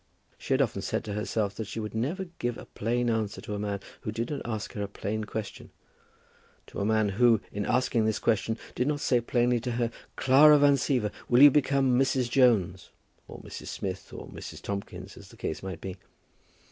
She had often said to herself that she would never give a plain answer to a man who did not ask her a plain question; to a man who, in asking this question, did not say plainly to her, "Clara Van Siever, will you become Mrs. Jones?" or Mrs. Smith, or Mrs. Tomkins, as the case might be.